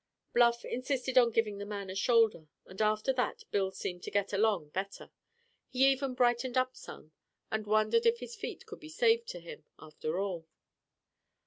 Bluff insisted on giving the man a shoulder, and after that Bill seemed to get along better. He even brightened up some, and wondered if his feet could be saved to him, after all.